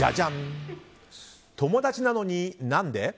友達なのになんで？